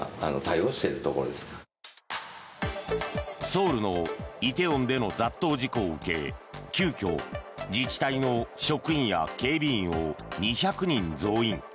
ソウルの梨泰院での雑踏事故を受け急きょ、自治体の職員や警備員を２００人増員。